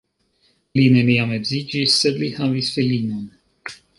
Li neniam edziĝis, sed li havis filinon.